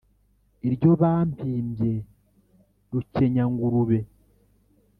Iryo bampimbye Rukenyangurube;